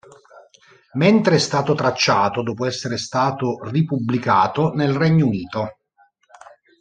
Mentre è stato tracciato dopo essere stato ripubblicato nel Regno Unito.